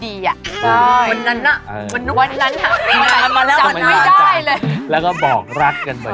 ไม่ได้วันนั้นอะวันนั้นค่ะมันจำไม่ได้เลยแล้วก็บอกรักกันบ่อย